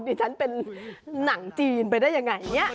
ดิฉันเป็นหนังจีนไปได้ยังไงเนี่ย